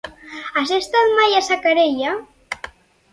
Has estat mai a Xacarella?